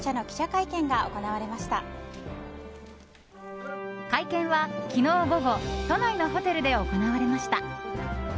会見は昨日午後都内のホテルで行われました。